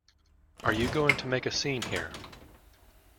Are you going to make a scene here?